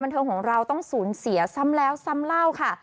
เทิงของเราต้องสูญเสียซ้ำแล้วซ้ำเล่าค่ะ